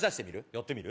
やってみる？